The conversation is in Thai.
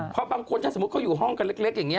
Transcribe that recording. เพราะบางคนถ้าสมมุติเขาอยู่ห้องกันเล็กอย่างนี้